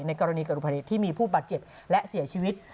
ในกรณีกรุงผลิตที่มีผู้บาดเจ็บและเสียชีวิต